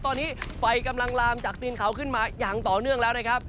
ตอนนี้ไฟกำลังลามจากตีนเขาขึ้นมาอย่างต่อเนื่องแล้วนะครับ